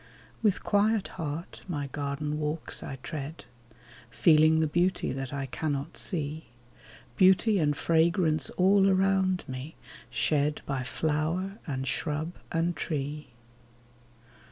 With quiet heart my garden walks I tread, Feeling the beauty that I cannot see ; Beauty and fragrance all around me shed By flower, and shrub, and tree.